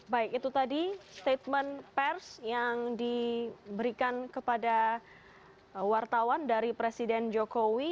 baik itu tadi statement pers yang diberikan kepada wartawan dari presiden jokowi